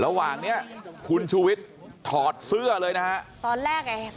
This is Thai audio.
ระหว่างเนี่ยคุณชุวิตถอดซื้อเลยนะฮะ